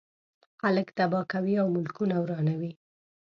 خلک تباه کوي او ملکونه ورانوي.